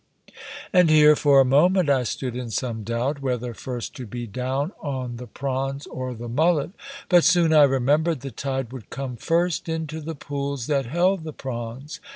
And here for a moment I stood in some doubt, whether first to be down on the prawns or the mullet; but soon I remembered the tide would come first into the pools that held the prawns.